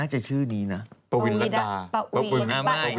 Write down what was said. อะอีกเรื่องนึง